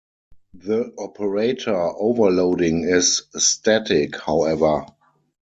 The operator overloading is static, however.